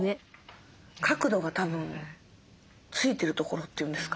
角度がたぶんついてるところって言うんですか？